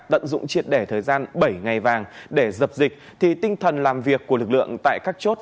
tận dụng triệt đẻ thời gian bảy ngày vàng để dập dịch thì tinh thần làm việc của lực lượng tại các chốt